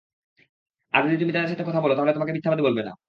আর যদি তুমি তাদের সাথে কথা বল, তাহলে তোমাকে মিথ্যবাদী বলবে না।